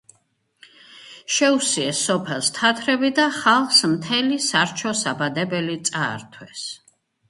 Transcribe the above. შეუსიეს სოფელს თათრები და ხალხს მთელ სარჩო-საბადებელი წაართვეს